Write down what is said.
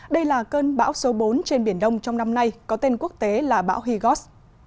đây là cơn bão số bốn trên biển đông trong năm nay có tên quốc tế là bão higos